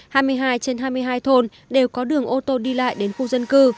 hai mươi hai trên hai mươi hai thôn đều có đường ô tô đi lại đến khu dân cư